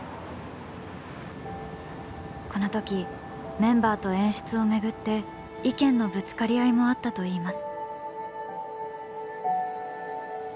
このときメンバーと演出をめぐって意見のぶつかり合いもあったといいます。